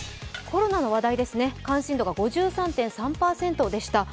コロナの話題ですね、関心度が５３．３％でした。